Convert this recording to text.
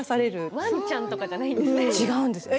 ワンちゃんじゃないですね。